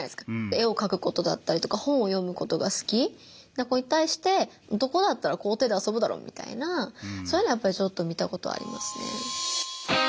絵を描くことだったりとか本を読むことが好きな子に対して男だったら校庭で遊ぶだろみたいなそういうのはやっぱりちょっと見たことありますね。